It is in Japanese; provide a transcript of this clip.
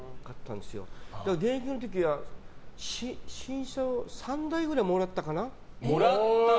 現役の時は新車を３台くらいもらったかな。